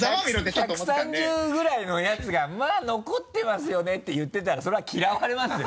１３０ぐらいのヤツが「まぁ残ってますよね」って言ってたらそりゃ嫌われますよ